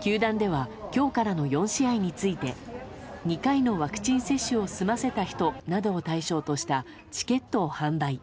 球団では今日からの４試合について２回のワクチン接種を済ませた人などを対象としたチケットを販売。